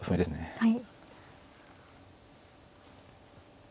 はい。